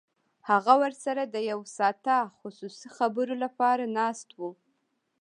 هغه ورسره د یو ساعته خصوصي خبرو لپاره ناست و